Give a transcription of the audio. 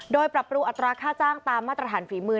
โดยปรับปรุงอัตราค่าจ้างตามมาตรฐานฝีมือ